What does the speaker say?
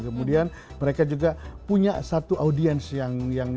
kemudian mereka juga punya satu audience yang harus mereka penuhi